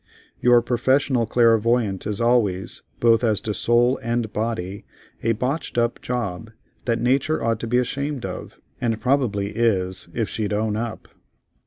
Your professional clairvoyant is always, both as to soul and body, a botched up job that nature ought to be ashamed of, and probably is, if she'd own up.